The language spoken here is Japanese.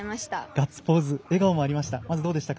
ガッツポーズ、笑顔もありました。